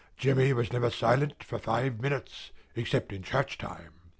Jemmy was never silent for five minutes, except in church time.